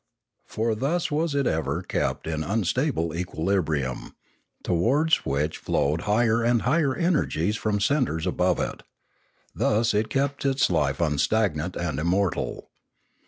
For thus was it ever kept in unstable equilibrium, towards which flowed higher and higher energies from centres above it; thus it kept its life unstagnant and immortal.